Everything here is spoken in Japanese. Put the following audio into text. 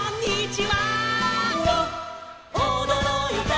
おどろいた」